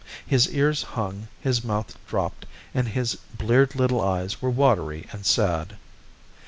His ears hung, his mouth dropped, and his bleared little eyes were watery and sad.